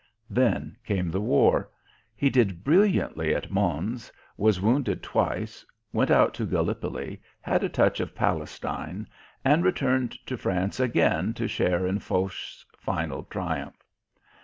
Then came the war. He did brilliantly at Mons, was wounded twice, went out to Gallipoli, had a touch of Palestine, and returned to France again to share in Foch's final triumph.